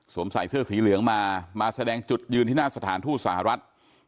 ใส่เสื้อสีเหลืองมามาแสดงจุดยืนที่หน้าสถานทูตสหรัฐ